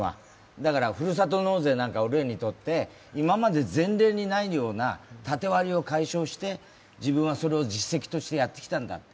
だから、ふるさと納税など今まで前例にないような縦割りを解消して、それを実績としてやってきたんだ